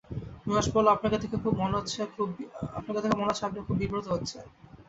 নুহাশ বলল, আপনাকে দেখে মনে হচ্ছে আপনি খুব বিব্রত হচ্ছেন।